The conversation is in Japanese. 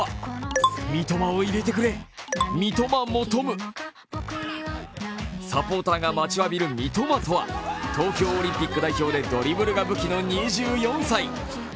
それはサポーターが待ちわびる三笘とは東京オリンピック代表でドリブルが武器の２４歳。